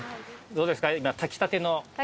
どうですか？